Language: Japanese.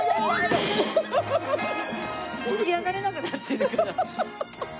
起き上がれなくなってるから。